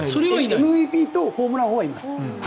ＭＶＰとホームラン王はいます。